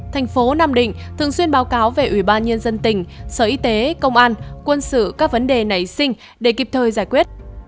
thành phố nam định thường xuyên báo cáo về ủy ban nhân dân tỉnh sở y tế công an quân sự các vấn đề nảy sinh để kịp thời giải quyết